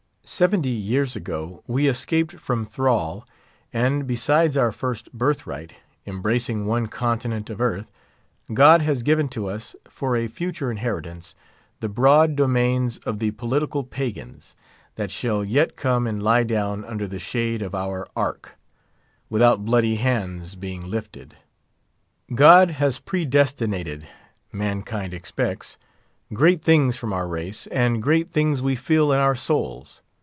Seventy years ago we escaped from thrall; and, besides our first birthright—embracing one continent of earth—God has given to us, for a future inheritance, the broad domains of the political pagans, that shall yet come and lie down under the shade of our ark, without bloody hands being lifted. God has predestinated, mankind expects, great things from our race; and great things we feel in our souls.